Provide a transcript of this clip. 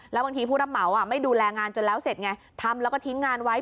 แล้วบางทีผู้รับเหมาไม่ดูแลงานจนแล้วเสร็จไงทำแล้วก็ทิ้งงานไว้